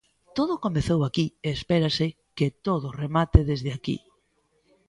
Todo comezou aquí e espérase que todo remate desde aquí.